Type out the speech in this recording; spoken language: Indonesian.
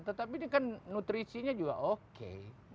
tetapi ini kan nutrisinya juga oke